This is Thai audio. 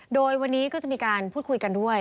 โดยวันนี้ก็จะมีการพูดคุยกันด้วย